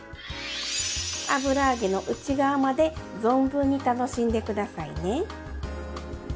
油揚げの内側まで存分に楽しんで下さいね。